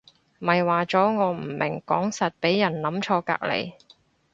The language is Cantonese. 咪話咗我唔明講實畀人諗錯隔離